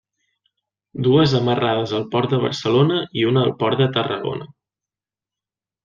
Dues amarrades al port de Barcelona i una al port de Tarragona.